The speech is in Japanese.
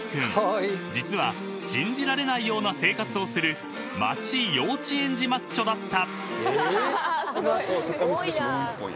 ［実は信じられないような生活をする街幼稚園児マッチョだった］